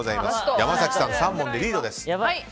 山崎さん、３問でリードです。